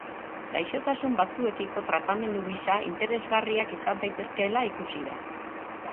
Gaixotasun batzuekiko tratamendu gisa interesgarriak izan daitezkeela ikusi da.